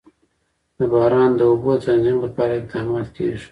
د باران د اوبو د تنظیم لپاره اقدامات کېږي.